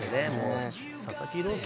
佐々木朗希